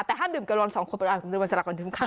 แต่ห้ามดื่มเกินวัน๒ขวดก็แล้วก็แบบนั้นก่อนลุงครั้ง